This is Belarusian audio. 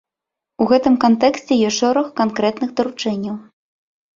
У гэтым кантэксце ёсць шэраг канкрэтных даручэнняў.